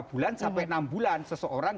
empat bulan sampai enam bulan seseorang